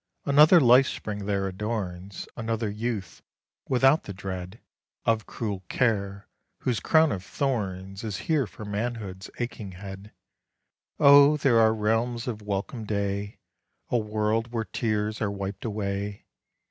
Another life spring there adorns Another youth without the dread Of cruel care, whose crown of thorns Is here for manhood's aching head. Oh! there are realms of welcome day, A world where tears are wiped away!